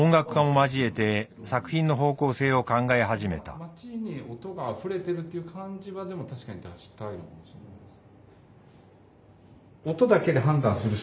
街に音があふれてるっていう感じはでも確かに出したいんですよね。